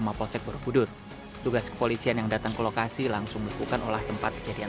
mapolsek borobudur tugas kepolisian yang datang ke lokasi langsung melakukan olah tempat kejadian